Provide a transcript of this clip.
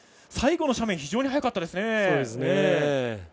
最後の斜面非常に速かったですね。